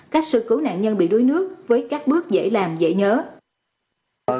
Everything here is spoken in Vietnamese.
cách sơ cứu nạn nhân bị đuối nước với các bước dễ làm dễ nhớ